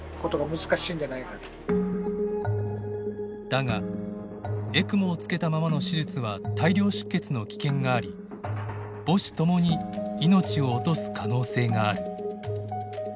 だがＥＣＭＯをつけたままの手術は大量出血の危険があり母子ともに命を落とす可能性がある。